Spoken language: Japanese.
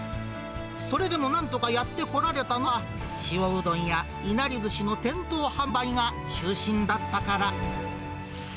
それでもなんとかやってこられたのは、塩うどんや、いなりずしの店頭販売が中心だったから。